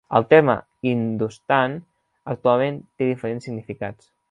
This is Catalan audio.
El terme "Hindustan" actualment té diferents significats.